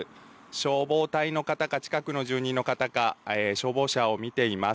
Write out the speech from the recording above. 消防隊の方か、近くの住人の方か、消防車を見ています。